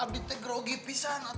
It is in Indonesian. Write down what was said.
adiknya gerogi pisang